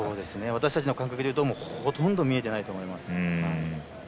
私たちの感覚でいうとほとんど見えてないと思います。